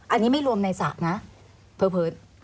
อันนี้ไม่รวมในศาสน์นะเพลิน